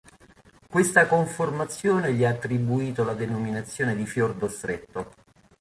Questa conformazione gli ha attribuito la denominazione di "fiordo stretto".